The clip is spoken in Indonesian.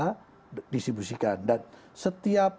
dan kita bisa mengisi busikan dan setiap